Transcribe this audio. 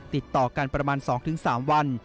ติดต่อกันประมาณ๒๓วัน